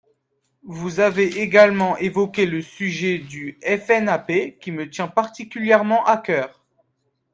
Vous avez également évoqué le sujet du FNAP, qui me tient particulièrement à cœur.